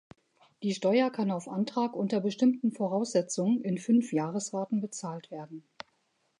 Die Steuer kann auf Antrag unter bestimmten Voraussetzungen in fünf Jahresraten bezahlt werden.